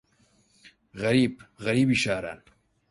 غەریب غەریبی شاران